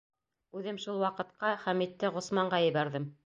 Үҙем шул ваҡытҡа Хәмитте Ғосманға ебәрҙем.